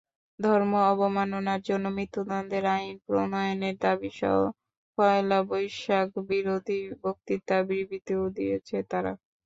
ধর্ম অবমাননার জন্য মৃত্যুদণ্ডের আইন প্রণয়নের দাবিসহ পয়লা বৈশাখবিরোধী বক্তৃতা-বিবৃতিও দিয়েছে তারা।